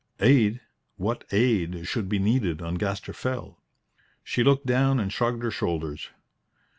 "Aid! What aid should be needed on Gaster Fell?" She looked down and shrugged her shoulders.